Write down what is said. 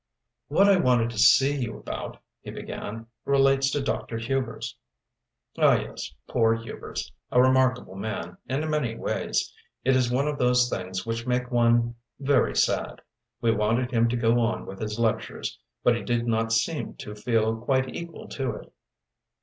"What I wanted to see you about," he began, "relates to Dr. Hubers." "Ah, yes poor Hubers. A remarkable man, in many ways. It is one of those things which make one very sad. We wanted him to go on with his lectures, but he did not seem to feel quite equal to it."